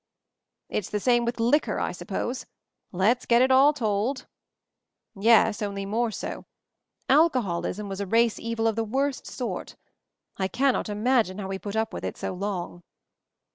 "It's the same with liquor, I suppose? Let's get it all told." "Yes, only more so. [Alcoholism was 'a race evil of the worst sort. I cannot imagine how we put up with it so long."